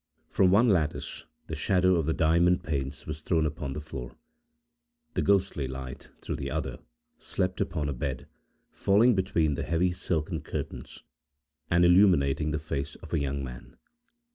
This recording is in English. From one lattice, the shadow of the diamond panes was thrown upon the floor; the ghostly light, through the other, slept upon a bed, falling between the heavy silken curtains, and illuminating the face of a young man.